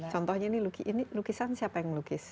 contohnya ini lukisan siapa yang melukis